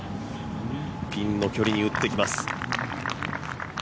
ピンの距離に打ってきます。